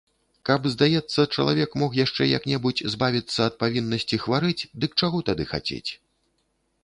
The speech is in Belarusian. Каб, здаецца, чалавек мог яшчэ як-небудзь збавіцца ад павіннасці хварэць, дык чаго тады хацець.